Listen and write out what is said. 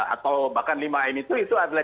atau bahkan lima m itu itu adalah